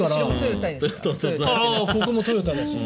ここもトヨタだし。